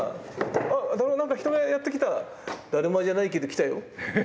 あっ何か人がやって来た！」。「だるまじゃないけど来たよ」。